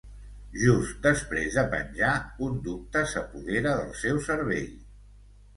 Just després de penjar un dubte s'apodera del seu cervell.